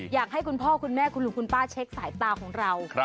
อยากให้คุณพ่อคุณแม่คุณลุงคุณป้าเช็คสายตาของเรา